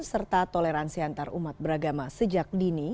serta toleransi antarumat beragama sejak dini